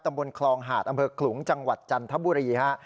ตำบลคลองหาดอำเภอขลุงจังหวัดจันทบุรีฮะ